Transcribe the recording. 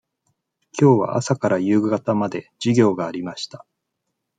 きょうは朝から夕方まで授業がありました。